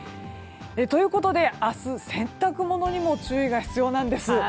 ということで明日は洗濯物にも注意が必要なんです。